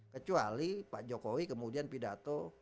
kecuali pak jokowi kemudian pidato